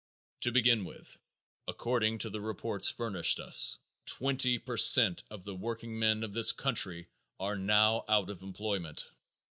To begin with, according to the reports furnished us, twenty per cent of the workingmen of this country are now out of employment.